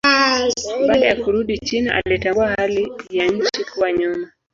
Baada ya kurudi China alitambua hali ya nchi kuwa nyuma.